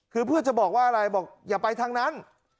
คือเพื่อจะบอกว่าอะไรบอกอย่าไปทางนั้น